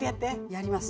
やります。